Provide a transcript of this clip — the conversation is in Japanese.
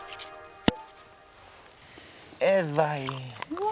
うわ！